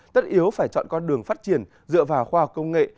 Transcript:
tất yếu phải chọn con đường phát triển dựa vào khoa học công nghệ